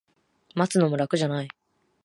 待つのも楽じゃない